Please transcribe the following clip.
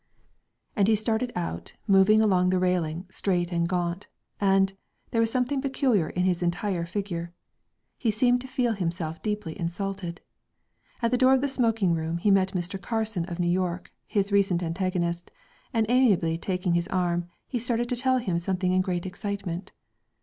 And he started out, moving along the railing, straight and gaunt, and, there was something peculiar in his entire figure. He seemed to feel himself deeply insulted. At the door of the smoking room, he met Mr. Carson of New York, his recent antagonist, and amiably taking his arm, he started to tell him something in great excitement.